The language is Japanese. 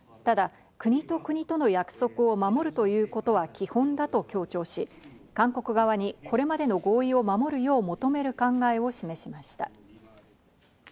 ただ国と国との約束を守るということは基本だと強調し、韓国側にこれまでの合意を守るよう求める考えを示しました。